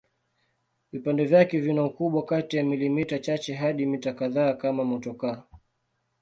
Vipande vyake vina ukubwa kati ya milimita chache hadi mita kadhaa kama motokaa.